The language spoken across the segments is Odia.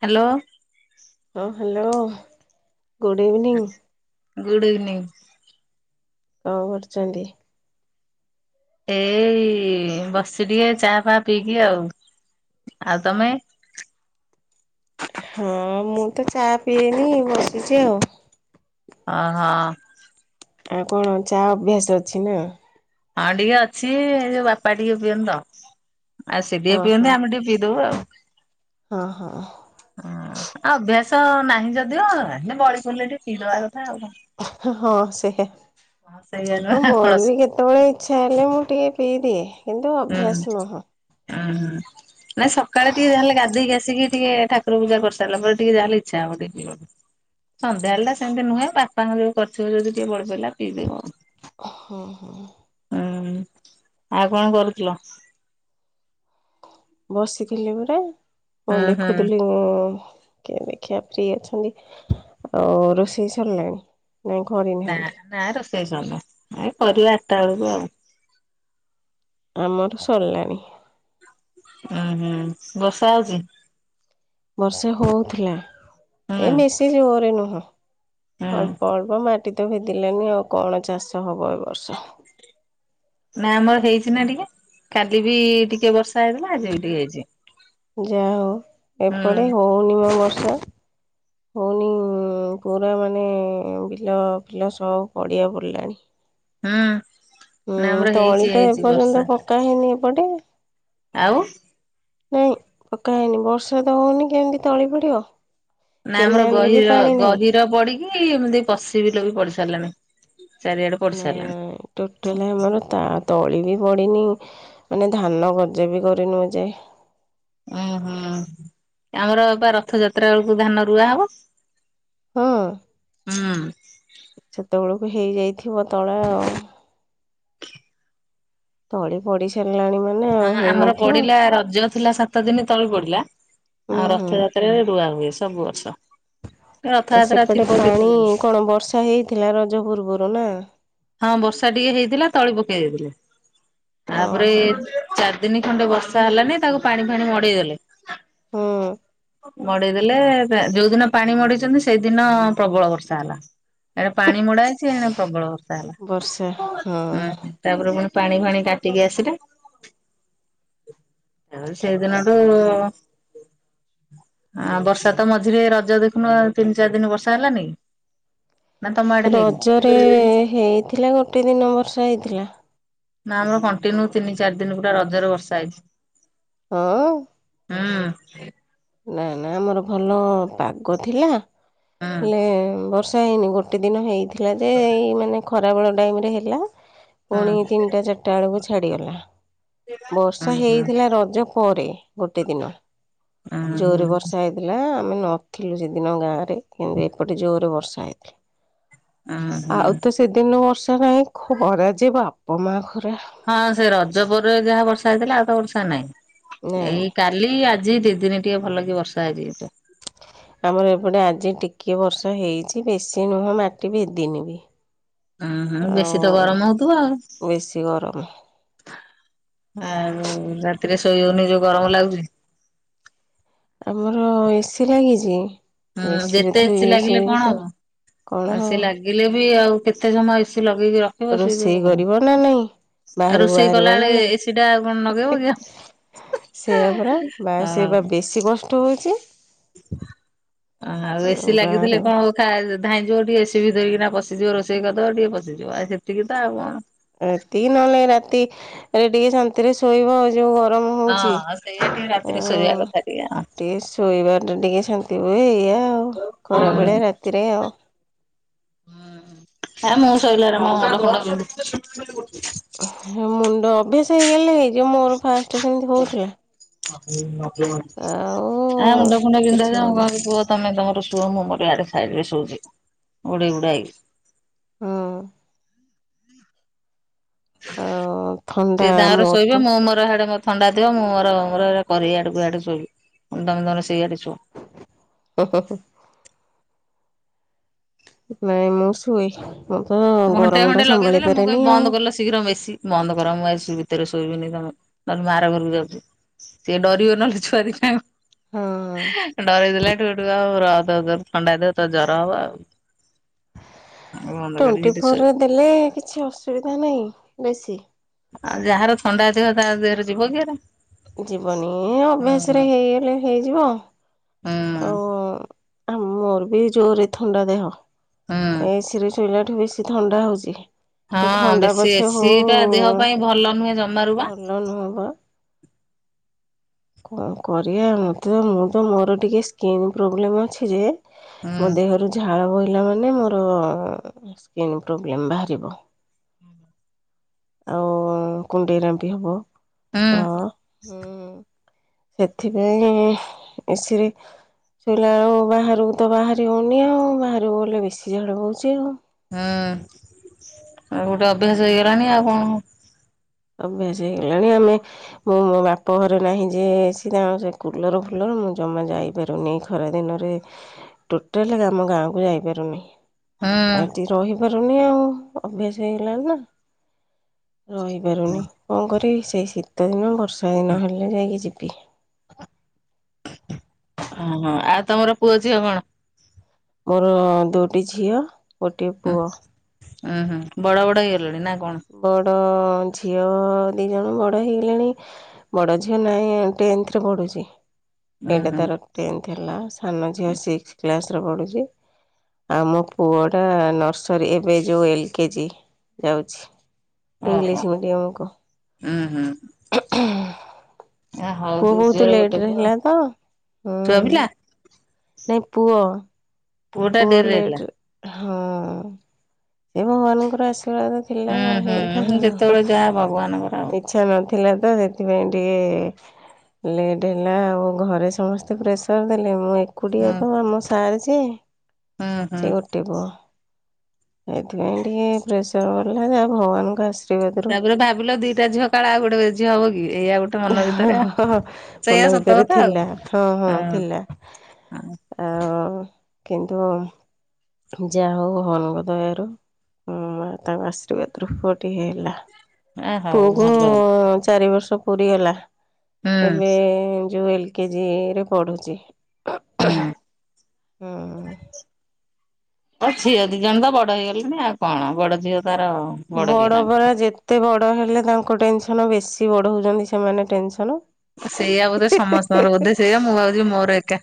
ହ୍ୟାଲୋ। ହଁ hello good evening good evening. କଣ କରୁଛନ୍ତି? ଏଇ ବସିଚି ଟିକେ ଚାହା ଫା ପିଇକି ଆଉ। ଆଉ ତମେ? ହଁ ମୁଁ ତ ଚା ପିଏନି ବସିଛି ଆଉ। ହ ହଁ। ଆଉ କଣ ଚା ଅଭ୍ୟାସ ଅଛି ନା? ହଁ ଟିକେ ଅଛି ଏ ଯୋଉ ବାପା ଟିକେ ପିଅନ୍ତି ତ ଆଉ ସେ ଟିକେ ହଁ ହଁ ପିଅନ୍ତି ଆମେ ଟିକେ ପିଇଦବୁ ଆଉ। ହଁ ହଁ ଆ ଅଭ୍ୟାସ ନାହିଁ ଯଦିଓ ହେନ୍ତି ବଳି ପଡ଼ିଲେ ଟିକେ ପିଇଦବା କଥା ଆଉ। ହଁ ସେଟା ହଁ ସେଇଆ ନୁହଁ ଆଉ ମୋର ହୁଁ ବି କେତେବେଳେ ଇଛା ହେଲେ ମୁଁ ଟିକେ ପିଇ ଦିଏ। କିନ୍ତୁ ଅଭ୍ୟାସ ନୁହଁ। ଓହୋ ନାଇଁ ସକାଳେ ଟିକେ ଯାହାହେଲେ ଗାଧେଇକି ଆସିକି ଟିକେ ଠାକୁର ପୂଜା କରିସାରିଲା ପରେ ଟିକେ ଯାହାହେଲେ ଇଚ୍ଛା ହବ ଟିକେ ପିଇବାକୁ। ସନ୍ଧ୍ୟା ବେଳ ଟା ସେମିତି ନୁହେଁ ବା ଚା ଯଦି କରିଥିବ ଯଦି ଟିକେ ବଳିପଳିଲା ପିଇଦବୁ ଆଉ। ହୁଁ ହୁଁ। ହୁଁ ଆଉ କଣ କରୁଥିଲ? ବସିଥିଲି ପରା ମୁଁ ହୁଁ ହୁଁ। ଦେଖୁଥିଲି କିଏ ଦେଖିବା ପ୍ରି ଅଛନ୍ତି ଆଉ ରୋଷେଇ ସରିଲାଣି? ନାଇଁ ଘରେନାହାନ୍ତି। ସେଇ ସମୟ ଆ କରିବା ଆଠଟା ବେଳକୁ ଆମର ସରିଲାଣି। ଉଁ ହୁଁ ବଷା ହଉଛି? ବର୍ଷେ ହଉଥିଲା ହୁଁ ଏ ବେଶୀ ଜୋରେ ନୁହଁ। ହୁଁ ଅଳ୍ପ ଅଳ୍ପ ମାଟି ତ ଭେଦିଲାନି ଆଉ କଣ ଚାଷ ହବ ଏ ବର୍ଷ। ନା ଆମର ହେଇଛି ନା ଟିକେ। କାଲି ବି ଟିକେ ବର୍ଷା ହେଇଥିଲା ଆଜି ବି ଟିକେ ହେଇଛି। ଯା ହଉ ହୁଁ ଏପଟେ ହଉନି ମ ବର୍ଷା ହଉନି ପୁରା ମାନେ ବିଲ ଫିଲ ସବୁ ପଡିଆ ପଡିଲାଣି। ହୁଁ। ନା ହୁଁ ଆମର ହେଇଛି ତଳି ତ ହେଇଛି ବର୍ଷା ଏପର୍ଯ୍ୟନ୍ତ ପକା ହେଇନି ଏପଟେ। ଆଉ? ନାଇଁ ପକ୍କା ହେଇନି ବର୍ଷା ତ ହଉନି କେମିତି ତଳି ପଡିବ। ନା ଆମର କେନାଲରେ ବି ଗହିର ପାଣି ନାହିଁ ଗହିର ପଡିକି ଏମିତି ପଶିିବିଲ ବି ପଡିି ସାରିଲାଣି। ଚାରିଆଡେ ପଡି ହୁଁ ସାରିଲାଣି। ଟୋଟାଲି ହେମାନେ ତା ତଳି ବି ପଡିିନି ମାନେ ଧାନ ଗଜା ବି କରିନୁ ଏଯାଏ ଉହୁଁ ଆମର ବା ରଥଯାତ୍ରା ବେଳକୁ ଧାନ ରୁଆ ହବ। ହଁ। ହୁଁ। ସ ହେଇଯାଇଥିବ ତଳା ଆଉ। ତଳି ପଡି ସାରିଲାଣି ମାନେ ହଁ ଆଉ ଆମର ହେଇଯାଇଥିବ। ପଡିଲା ରଜ ଥିଲା ସାତ ଦିନ ତଳି ପଡିଲା ହୁଁ ଆଉ ହୁଁ ରଥଯାତ୍ରାରେ ରୁଆ ହୁଏ ସବୁ ବର୍ଷ। ରଥଯାତ୍ରା ସେପଟେ ଥିବ କେତେ ପାଣି ଦିନ କଣ ବର୍ଷା ହେଇଥିଲା ରଜ ପୂର୍ବରୁ ନା? ହଁ ବର୍ଷା ଟିକେ ହେଇଥିଲା ତଳି ପକେଇ ଦେଇାଇଥିଲା। ତାପରେ ଓହୋ ଚାରି ଦିନ ଖଣ୍ଡେ ବର୍ଷା ହେଲାନି ତାକୁ ପାଣି ଫାଣି ମଡେଇ ଦେଲେ। ହୁଁ ମଡିଦେଲେ ଯୋଉ ଦିନ ପାଣି ମଡିଛନ୍ତି ସେଇଦିନ ପ୍ରବଳ ବର୍ଷା ହେଲା। ଏଡେ ପାଣି ମୋଡା ହେଛି ଏ ପ୍ରବଳ ବର୍ଷା ବର୍ଷା ହଁ ହେଲା। ତାପରେ ପାଣି ଫାଣି କାଟିକି ଆସିଲେ। ଏ ସେଇଦିନ ତ ଆ ବର୍ଷା ତ ମଝିରେ ରଜ ଦେଖୁନୁ ତିନି ଚାରି ଦିନ ବର୍ଷା ହେଲାନି କି? ନା ତମ ଆଡେ ହେଇନି ରଜରେ ହେଇଥିଲା ଗୋଟେ ଦିନ ବର୍ଷା ହେଇଥିଲା। ନା ଆମର କଣ୍ଟିନ୍ୟୁ ତିନି ଚାରି ଦିନ ପୁରଟା ରଜରେ ବର୍ଷା ହେଇଛି। ହଁ। ସେ ନା ନା ଆମର ଭଲ ପାଗ ଥିଲା। ହେଲେ ବର୍ଷ ଯାଇନି ଗୋଟେ ଦିନ ହେଇଥିଲା ଯେ ଏଇ ମାନେ ଖରାବେଳ ଟାଇମରେ ହେଲା। ହଁ ପୁଣି ତିନିଟା ଚାରିଟା ବେଳକୁ ଛାଡିଗଲା। ବର୍ଷା ହଁ ହେଇଥିଲା ରଜ ପରେ ଗୋଟେ ଦିନ। ଦୋରି ବର୍ଷା ହେଇଥିଲା। ନା ଆମେ ନଥିଲୁ ସେଦିନ ଗାଁ ରେ କିନ୍ତୁ ଏପଟେ ଜୋରରେ ବର୍ଷା ହେଇଥିଲା। ଆଉ ତ ସେଦିନ ବର୍ଷା ନାହିଁ ଖରା ଯେ ବାପା ମା। ଖରା ହଁ ସେ ରଜପୁରରେ ଯାହା ବର୍ଷା ହେଇଥିଲା ଆଉ ତ ବର୍ଷା ନାଇଁ। ଏଇ କାଲି ଆ ଆଜି ଦି ଦିନ ଟିକେ ଭଲ କି ବର୍ଷା ହେଇଛି ତ। ଆମର ଏପଟେ ଆଜି ଟିକିଏ ବର୍ଷା ହେଇଛି ବେଶୀ ନୁହଁ ମାଟି ଭେଦିନି ବି। ଉହଁ ଆଉ ବେଶୀ ତ ଗରମ ହୋଉଥିବ ଆଉ। ବେଶୀ ଗରମ ଆଉ ରାତିରେ ଶୋଇ ହାଉନି ଯୋଉ ଗରମ ଲାଗୁଛି। ଆମର ଏସି ଲାଗିଚି। ହଁ ଯେତେ ଏସି ଲାଗିଲେ କଣ ହବ। କଣ ଆଉ ହବ ସେ ଲାଗିଲେ ବି ଆଉ କେତେ ସମୟ ଏସ ଲଗେଇକି ରଖିବ ସେ ରୋଷେଇ ଯୋଉ କରିବ ନା ନାଇଁ। ଆଉ ବାହାରକୁ ରୋଷେଇ ବାହାରିବ ନା କଲାବେଳେ ଏ ସିଟା କଣ ନଗେଇବ କି ଆଉ। ସେଇଆା ପରାା ବା ସେ ବା ବେଶୀ କଷ୍ଟ ହଉଛି। ଓ ଆଉ ଏସି ଲାଗିଥିଲେ ବାହାର କଣ ହୋଉ ଖା ଧାଇଁ ଯଯିବ ଟିକେ ଏସିି ବି ଧରିକି ପଶିଯିବ ରୋଷେଇ କଦ ଟିକେ ପିଯିବ ଆଉ ସେତିକି ତ ଆଉ କଣ ଏତିକି ନହେଲେ ରାତି ରେ ଟିକେ ଶାନ୍ତିରେ ଶୋଇବ ଯୋଉ ହୋଉଛି ହଁ ସେଇଆ ଟିକେ ଆ ରାତିରେ ଶୋଇବା କଥା ଆଉ। ଟିକେ ଶୋଇବା ଟା ଟିକେ ଅଛନ୍ତି ବୋଲି ଏଇଆ ଆଉ ଖରା ହୁଁ ବେଳେ ରାତିରେ ଆଉ। ହେ ମୁଁ [inaudible] ଶୋଇଲାରୁ ମୋ ମୁଣ୍ଡ ଫୁଣ୍ଡ ବିନ୍ଧୁଚି। ମୁଣ୍ଡ ଅଭ୍ୟାସ ହେଇଗଲେ ହେଇଯିବ ମୋର ଫାଷ୍ଟ ସେମିତି ହୋଉଥିଲା [inaudible] ମୁଣ୍ଡ ଫୁଣ୍ଡ ପିନ୍ଧା କିଛି ହଉନି କାହାକୁିବ ତମେ ତମ ଶୁଅ ମୁଁ ମୋର ୟାଡେ ସାଇଟରେ ଶୋଉଚି ଘୋଡେଇ ଘୁଡ଼ା ହେଇକି ହୁଁ। ଆଉ ଥଣ୍ଡା ସେ ଗାଁର ମୋର ତ ଶୋଇବେ ମୋ ମୋର ହାଡ ମୋର ଥଣ୍ଡା ଦିହ ମୁଁ ମୋର ମୋର କରେ ୟାଡକୁ ୟାଡେ ସେଇବି ତମେ ତମର ସେଇଆଡେ ସୁ ଓହୋ ହୋ। ନାଇଁ ମୁଁ ଶୁଇ ଘଣ୍ଟେ ଘଣ୍ଟେ ଲଗେଇଦେଲେ ମୁଁ କହି ଆଉ ବନ୍ଦ କଲ ଶୀଘ୍ର ବେଶୀ ବନ୍ଦ କର ମୁଁ ଭିତରେ ଶୋଇବନି ତମେ ନହେଲେ ମୁଆ ର ଘରକୁ ଯାଉଛି ସିଏ ଡରିବେ ନହେଲେ ଚୁଆଦିଟା। ହଁ। ଡ଼ରେଇଦେଲା ଠୁ ହେଟୁ ଥଣ୍ଡା ହେଦ ତ ଜର ହବ ଆଉ ବନ୍ଦ କର ସେ ପରେ ଦେଲେ କିଛି ଅସୁବିଧା ନାହିଁ ବେଶୀ ଆଉ ଯାହାର ଥଣ୍ଡା ଦେହ ତା ଦେହରେ ଯିବ କି ଏରା। ଯିବନି ଅଭ୍ୟାସ ରେ ହୁଁ। ହେଇଗଲେ ହେଇଯିବ ହୁଁ ଆଉ। ଆମ ମୋର ବି ଜୋରେ ଥଣ୍ଡା ଦେହ ହୁଁ ଏସିରେ ଶୋଇଲା ଠୁ ବେଶୀ ଥଣ୍ଡା ହଉଛି। ସେ ହଁ ଥଣ୍ଡା ବେଶୀ ପଛେ ଏସି ହଉ ଟା ଦେହ ପାଇଁ ଭଲ ନୁହେଁ ଜମାରୁ ବା। ଭଲ ନୁହପା। କଣ କରିବା ମତେ ମୁଁ ତ ମୋର ଟିକେ ସ୍କିନ୍ ପ୍ରୋବ୍ଲେମ୍ ଅଛି ଯେ ହୁଁ ମୋ ଦେହରୁ ଝାଳ ବ ପିଲାମାନେ ମୋର ସ୍କିନ୍ ପ୍ରୋବ୍ଲେମ୍ ବାହାରିବ। ଆଉ କୁଣ୍ଡେଇ ରାମ୍ପୀ ହବ ହୁଁ ର ହୁଁ। ସେଥିପାଇଁ ଏସିରେ ଶୋଇଲା ବେଳୁ ବାହାରକୁ ତ ବାହାରି ହଉନି ଆଉ ବାହାରକୁ ଗଲେ ବେଶୀ ଝାଳ ବଉଛି ଆଉ। ହୁଁ ଆଉ ଗୋଟେ ଅଭ୍ୟାସ ହେଇଗଲାଣି ଆଉ କଣ ଭ୍ୟାସ ହେଇଗଲାଣି ଆମେ ମୁଁ ମୋ ବାପ ଘରେ ନାହିଁ ଯିଏ ଆସି ତାଙ୍କ ସେ କୁଲର ଫୁଲର ମୁଁ ଜମା ଆମେ ଯାଇପାରୁନି ଖରା ଦିନରେ ଟୋଟାଲି ଆମ ଗାଁକୁ ଯାଇପାରୁନି। ଆଠି ରହିପାରୁନି ଆଉ ଅଭ୍ୟାସ ହେଇଗଲାଣି ନା ରହି ପାରୁନି କଣ କରି ସେଇ ଶୀତ ଦିନ ବର୍ଷା ଦିନ ହେଲେ ଯାଇକି ଯିବି। ଓହୋ ଆଉ ତମର ପୁଅ ଝିଅ କଣ? ମୋର ଦୁଇଟି ଝିଅ ଗୋଟିଏ ପୁଅ। ହୁଁ ହୁଁ ବଡ ବଡ ହେଇରଣି ନା? କଣ? ବଡ ମ ଝିଅ ଦି ଜଣ ବଡ ହେଇଗଲେଣି ବଡ ଝିଅ ଟେଥରେ ପଢୁଛି। ଉୁଁ ଏଇଟା ହୁଁ ତର ଟେନ୍ଥ ହେଲା ସାନ ଝିଅ ସିକ୍ସ କ୍ଲାସରେ ପଢୁଛି। ଆମ ପୁଅ ଟା ନର୍ସରୀ ଏବେ ଯୋଉ ଏଲ କେଜି ଯାଉଛି। ଓହୋ ଇଂଲିୀଶ ମିଡିଆମକୁ। ଉୁଁ ହୁଁ ଆ ହଉ ପୁଅ ଦି ବହୁତ ଝିଅର ଗୋଟେ ଲେଟ ରେ ପୁଅ ହେଥିଲା ତ ଛୁଆ ପିଲା ହୁଁ। ନାଇଁ ପୁଆ। କୋଟାପୁ ଟାଡେରି ରେହେଲା ତ। ହଁ ସେ ଭଗବାନଙ୍କର ଇଛା। ଥିଲା ହୁଁ ହୁଁ ହେଇଗଲା ଯେତେବେଳେ ଯାହା ଭଗବାନଙ୍କର ଆଉ ଇଚଛା। ଥିଲା ତ ସେଥିପାଇଁ ଟିକେ ଲେଟ୍ ହେଲା ଆଉ ଘରେ ସମସ୍ତେ ପ୍ରେସର ଦେଲେ ମତେ। କୁକୁଡିଆ ହୁଁ ତ ଆମ ସାର୍ ଯେ ହୁଁ ସେ ହୁଁ ଗୋଟେ ପୁଅ। ଏଥିପାଇଁ ଟିକେ ପ୍ରେସର ପଲା ଯାହା ଭଗବାନଙ୍କୁ ଆସା। ତାପରେ ଭାବିଲ ଦିଟା ଝିଅ ଆଉ ଗୋଟେ ଝିଅ ହବ କି? ଏଇଆ ଗୋଟେ ମନ ଭିତରେ ଆଉ ସେଇଆ ମନ ସତ ଭିତରେ କଥା ଆଉ ଥିଲା ହଁ ହଁ ଥିଲା। ହଁ ଆଉ କିନ୍ତୁ। ଯା ହଉ ଭଗବାନଙ୍କ ଦୟାରୁ ହ୍ନୁ ତାଙ୍କ ଅଶ୍ରିବାଦରୁ ପୁଅ ଟିଏ ହେଲା। ଆ ହଉ ପୁଅକୁ ଭଲ ହେଲା ଚାରି ବର୍ଷ। ପୁରି ଗଲା ହୁଁ ଏବେ ଯୋଉ ଏଲେ କେଜି ରେ ପଢୁଛି। ହୁଁ। ହୁଁ। ତ ଝିଅ ଦି ଜଣ ତ ବଡ ହେଇଗଲେଣି ଆଉ କଣ ବଡ ଝିଅ ତାର ବଡ ପରା ଯେତେ ବଡ ବଡ଼ ହେଲେ ତାଙ୍କ ଟେନସନ ବେଶୀ ବଢୁଛନ୍ତି ସେମାନେ ଟେନସନ ସେଇଆା ବୋଧେ ସମସ୍ତଙ୍କର ବୋଧେ ସେଇଆ ମୁଁ ଭାବୁଛି ମୋର ଏକା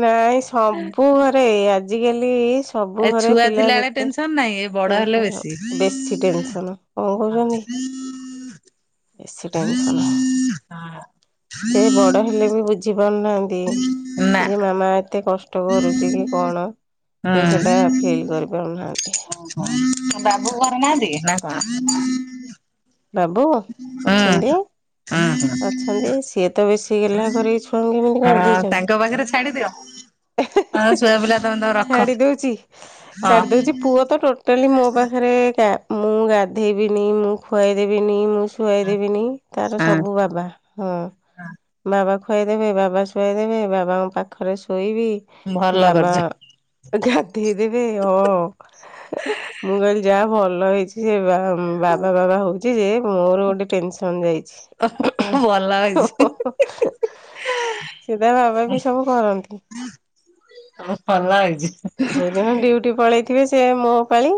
ନାଇଁ ସବୁ ଘରେ ଏଇ ଆଜିକାଲି ସବୁ ଏ ଘରେ ଛୁଆ ପିଲା ଥିଲାବେଳେ ଯେତେ ଟେନସନ ନାହିଁ ଏ ବଡ କଣ ହେଲେ କହିଲ ବେଶୀ। ବେଶୀ ଟେନସନ କଣ ହଉଛନ୍ତି। ବେଶୀ ଟେନସନ [inaudible] ସେ ବଡ଼ ହେଲେ ବି ବୁଝିପାରୁ ନାହାନ୍ତି ନା ଯେ ମାମା ଏତେ କ ଷ୍ଟ କରୁଛି କି କଣ ସେ ସେଇଟା ଫିଲ୍ କରିପାରୁନାହାନ୍ତି। ବାବୁ ଘରେ ନାହାନ୍ତି ନା କଣ? ବାବୁ ହୁଁ। ଅଛନ୍ତି। ହୁଁ ହୁଁ ଅଛନ୍ତି ସିଏ ତ ବେଶୀ ଗେଲ୍ହା କରିକି ଛୁଆଙ୍କୁ ଏମିତି ହଁ କରିଦେଇଛନ୍ତି। ତାଙ୍କ ପାଖରେ ଛାଡିଦିଅ। ହଁ ଛୁଆ [inaudible] ପିଲା ତମେ ତମ [inaudible] ରଖ ଛାଡି ଦୋଉଛି ହଁ ଛାଡି ଦୋଉଛି ପୁଅ ତ ଟୋଟାଲି ମୋ ପାଖରେ ଇଂକା ମୁଁ ଗାଧେଇବିନି ମୁଁ ଖୁଆଇଦେବିନି ମୁଁ ଶୁଆଇଦେବିନି ତାର ହଁ ସବୁ ବା ବା ହଁ ବାବା ଖୁଆଇଦେବେ ବାବା ଶୁଆଇଦେବେ ବାବାଙ୍କ ପାଖରେ ଶୋଇ ହୁଁ ଭଲ ବାବା କରିଛ। [inaudible] ଦେଇଦେବେ ହଁ ମୁଁ କହିଲି ଯା ଭଲ ଭଲ ହେଇଛି ସେ ବାବା ବାବା ହୋଉଛି ଯେ ମୋର ଗୋଟେ ଟେନସନ ଯାଇ ଓ ଭଲ ହେଇଛି। [inaudible] ସିଧା ବାବା ଵି ସବୁ କରନ୍ତି। ଭଲ ହେଇଛି [inaudible] ଯୋଉ ଦିନ ଡ୍ୟୁଟି ପଳେଇଥିବେ ସେ ମୋ ପାଳି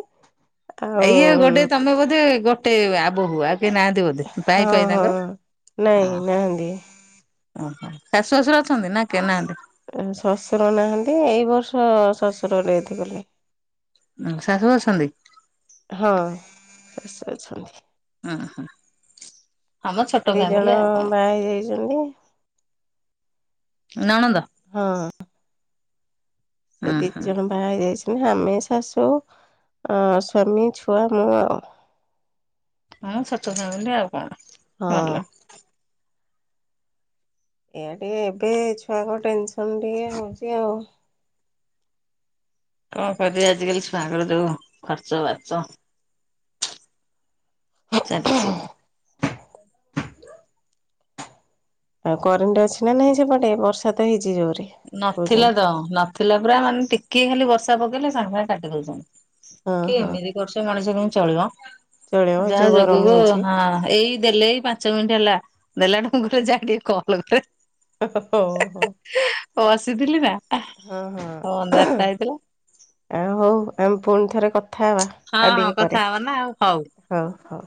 ଆଉ ଏଇଏ ଗୋଟେ ତମେ ବୋଧେ ଗୋଟେ ଆବହୁୁଆ ନାନ୍ତିି ବୋଧେ ପାଇଁ ହଁ ପାଇଁ ହଁ ତାଙ୍କର [inaudible] ନାଇଁ ନାହାନ୍ତି ଓହୋ ଶାଶୁ ଶଶୁର ଅଛନ୍ତି ନା କେ ନାହାନ୍ତି? ଶ୍ୱଶୁର ନାହାନ୍ତି ଏଇ ବର୍ଷ ଶ୍ୱଶୁର ରେର୍ଥ କଲେ। ଉ ଶାଶୁ ଅଛନ୍ତି? ହଁ ଶାଶୁ ଅଛନ୍ତି। ଅହଁ। ଆମ ଛୋଟ ଦି ଫ୍ୟାମିଲି ଜଣ ଆଉ କଣ। ବାହା ହେଇଯାଇଛନ୍ତି। [inaudible] ନଣନ୍ଦ ହଁ। ସେ ଉଁ ଦି ଜଣ ହୁଁ ବାହା ହେଇଯାଇ ହୁଁ ଆମେ ଶାଶୁ ଆଉ ସ୍ୱାମୀ ଛୁଆ ମୁଁ ଆଉ। ହଁ ଛୋଟ ଫ୍ୟାମିଲି ଆଉ କଣ ହଁ ଭଲ। ଏଆ ଟିକେ ଏବେ ଛୁଆଙ୍କ ଟେନସନ ଟିକେ ହୋଉଛି ଆଉ। କଣ କରିବା ଆଜିିକାଲି ଛୁଆଙ୍କ ଯୋଉ ଖର୍ଚ୍ଚ ବାର୍ଚ ଚାଲିଛି ଆଉ କରେଣ୍ଟ ଅଛି ନା ନହିଁ ସେପଟେ ବର୍ଷା ତ ହେଇଛି ଜୋରେ ନଥିଲା କହୁଛନ୍ତି ତ ନଥିଲା ପୁରା ମାନେ ଟିକେ ଖାଲି ବର୍ଷା ପକେଇଲେ ସାଙ୍ଗେ ସାଙ୍ଗେ କାଟି ଦୋଉଛନ୍ତି। ହଁ କି ହଁ। ଏମିତି କରୁଛ ମଣିଷ କେମତି ଚଳିବ ଚଳିବ ଯାହା ଯୋଉ ଗରମ ଯୋଗକୁ ହଉଛି। ହଁ ଏଇ ଦେଲେ ଏଇ ପାଞ୍ଚ ମିନିଟ ହେଲା। ଦେଲାଠୁ ମୁଁ କହିଲି ଯାଏ ଟିକେ କଲ୍ କରେ [inaudible] [inaudible] ବସିଥିଲି ନା [inaudible] ଅନ୍ଧାରଟା ହେଇଥିଲା। ଆ ହୋଉ ଆମେ ପୁଣି ଥରେ କଥା ହବା ହଁ ଆଉ ହଁ ଟିକେ ପରେ କଥା ହବା ନା ଆଉ ହୋଉ। ହଉ ହଉ।